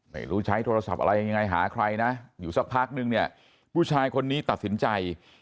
ไม่รู้ใช้โทรศัพท์อะไรยังไงหาใครนะอยู่สักพักนึงเนี่ยผู้ชายคนนี้ตัดสินใจ